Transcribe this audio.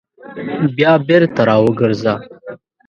بیا بېرته راوګرځه !